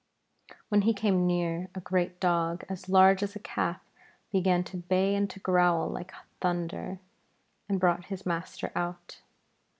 When he came near, a great dog, as large as a calf, began to bay and to growl like thunder, and brought his master out.